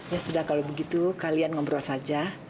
ya sudah kalau begitu kalian ngobrol saja